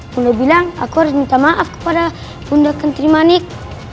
bunda bilang aku harus minta maaf kepada bunda kenterimanik